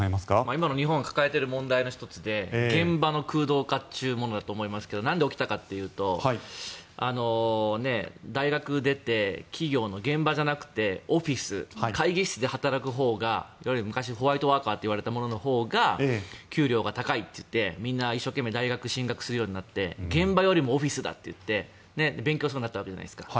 今の日本が抱えている問題の１つで現場の空洞化というものだと思いますがなんで起きたかというと大学出て、企業の現場じゃなくてオフィス、会議室で働くほうがいわゆる昔ホワイトワーカーといわれたもののほうが給料が高いといってみんな一生懸命大学に進学するようになって現場じゃなくてオフィスだって言って勉強するようになったわけじゃないですか。